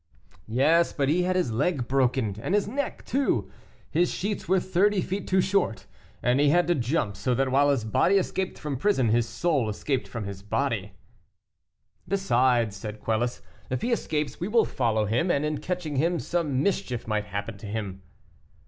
"Yes, but he had his leg broken, and his neck, too; his sheets were thirty feet too short, and he had to jump, so that while his body escaped from prison, his soul escaped from his body." "Besides," said Quelus, "if he escapes, we will follow him, and in catching him some mischief might happen to him."